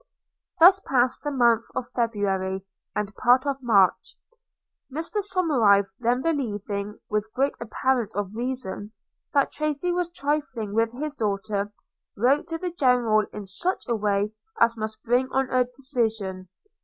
Thus passed the month of February, and part of March. Mr Somerive then believing, with great appearance of reason, that Tracy was trifling with his daughter, wrote to the General in such a way as must bring on a decision.